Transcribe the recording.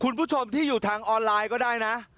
คุณผู้ชมที่อยู่ทางออนไลน์ก็ได้นะ